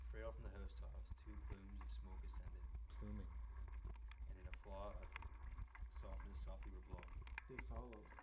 Frail from the housetops two plumes of smoke ascended, pluming, and in a flaw of softness softly were blown.